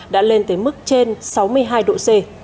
đã lên tới mức trên sáu mươi hai độ c